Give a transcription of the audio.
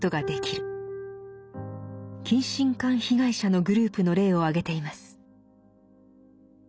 近親姦被害者のグループの例を挙げています。